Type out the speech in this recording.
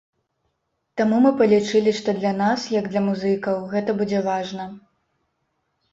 Таму мы палічылі, што для нас, як для музыкаў, гэта будзе важна.